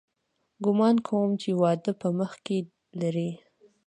ګومان کوم چې واده په مخ کښې لري.